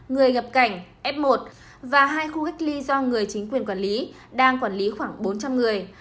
người nhập cảnh f một và hai khu cách ly do người chính quyền quản lý đang quản lý khoảng bốn trăm linh người